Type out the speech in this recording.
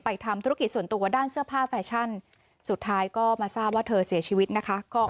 ทำธุรกิจส่วนตัวด้านเสื้อผ้าแฟชั่นสุดท้ายก็มาทราบว่าเธอเสียชีวิตนะคะ